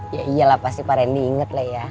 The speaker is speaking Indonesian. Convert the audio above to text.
ya iyalah pasti pak rendy inget lah ya